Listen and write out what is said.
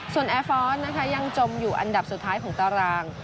ส่วนแอร์ฟอร์สนะคะยังจมอยู่อันดับสุดท้ายของตาราง